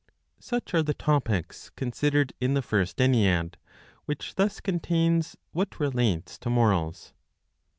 Such are the topics considered in the First Ennead; which thus contains what relates to morals.